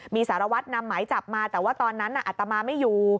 มีสารวัตรนำหมายจับมาแต่ว่าตอนนั้นอัตมาไม่อยู่